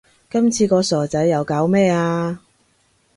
今次個傻仔又搞咩呀